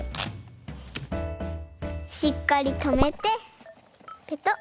しっかりとめてペトッ。